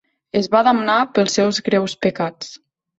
Es va damnar pels seus greus pecats.